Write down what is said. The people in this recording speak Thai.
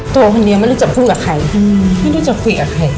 ตัวคนเดียวไม่รู้จะพูดกับใครไม่รู้จะคุยกับใคร